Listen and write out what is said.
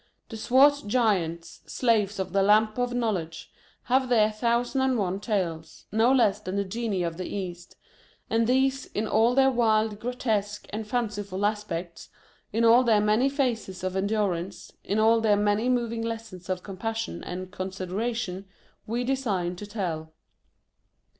The swart giants, Slaves of the Lamp of Knowledge, have their thousand and one tales, no less than the Genii of the East ; and these, in all their wild, grotesque, and fanciful aspects, in all their many phases of endurance, in all their many moving lessons of compassion and con sideration, we design to tell.